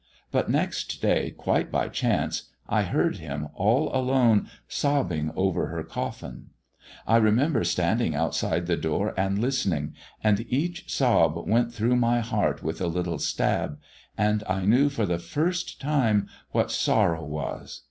But next day, quite by chance, I heard him, all alone, sobbing over her coffin. I remember standing outside the door and listening, and each sob went through my heart with a little stab, and I knew for the first time what sorrow was.